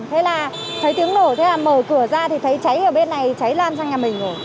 thế là thấy tiếng nổ thế là mở cửa ra thì thấy cháy ở bên này cháy lan sang nhà mình rồi